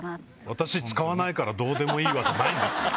「私使わないからどうでもいいわ」じゃないんです。